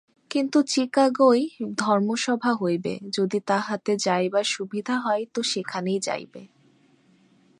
কিন্তু চিকাগোয় ধর্মসভা হইবে, যদি তাহাতে যাইবার সুবিধা হয় তো সেখানে যাইব।